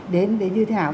đến như thế nào